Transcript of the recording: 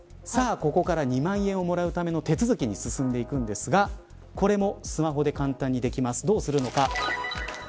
ここから２万円をもらうための手続きに進んでいくんですがこれもスマホで簡単にできます。